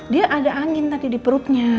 dia ada angin tadi di perutnya